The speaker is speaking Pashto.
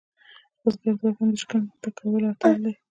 بزګر د وطن د شکم ډکولو اتل دی